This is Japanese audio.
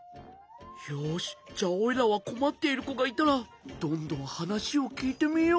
よしじゃあおいらはこまっているこがいたらどんどんはなしをきいてみよう。